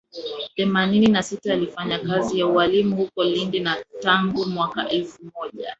themanini na sita alifanya kazi ya ualimu huko Lindi na tangu mwaka elfu moja